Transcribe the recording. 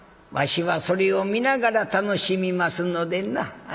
わしはそれを見ながら楽しみますのでな。